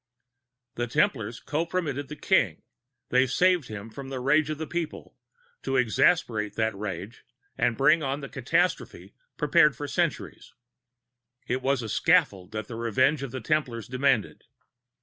The Templars compromitted the King; they saved him from the rage of the People, to exasperate that rage and bring on the catastrophe prepared for centuries; it was a scaffold that the vengeance of the Templars demanded.